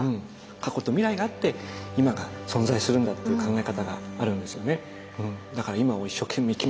過去と未来があって今が存在するんだっていう考え方があるんですよね。